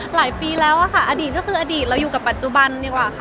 หลายปีแล้วค่ะอดีตก็คืออดีตเราอยู่กับปัจจุบันดีกว่าค่ะ